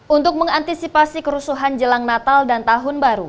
untuk mengantisipasi kerusuhan jelang natal dan tahun baru